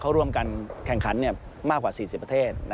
เขาร่วมกันแข่งขันมากกว่า๔๐ประเทศ